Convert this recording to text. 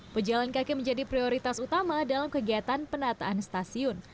pejalan kaki menjadi prioritas utama dalam kegiatan penataan stasiun